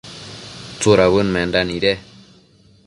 ¿tsudabëd menda nide ?